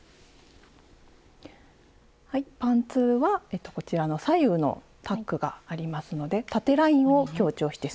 パンツはこちらの左右のタックがありますので縦ラインを強調してすっきりですね。